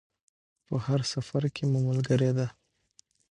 په هر سفر کې مو ملګرې ده.